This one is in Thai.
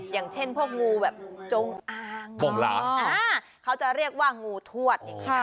อย่างเช่นพวกงูแบบจงอ่างเขาจะเรียกว่างูถวด